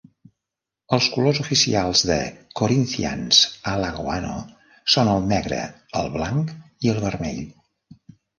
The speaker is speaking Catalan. Els colors oficials de Corinthians Alagoano són el negre, el blanc i el vermell.